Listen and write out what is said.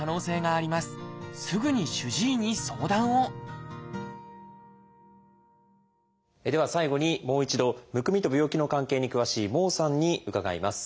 すぐに主治医に相談をでは最後にもう一度むくみと病気の関係に詳しい孟さんに伺います。